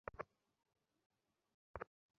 বুদ্ধদেব জন্মিবার বহুদিন পূর্ব হইতেই ইহা ঘটিয়াছে।